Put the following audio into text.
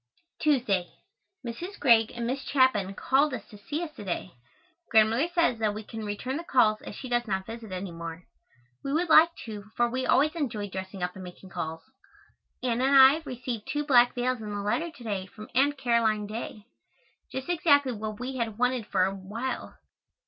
Tuesday. Mrs. Greig and Miss Chapin called to see us to day. Grandmother says that we can return the calls as she does not visit any more. We would like to, for we always enjoy dressing up and making calls. Anna and I received two black veils in a letter to day from Aunt Caroline Dey. Just exactly what we had wanted for a long while.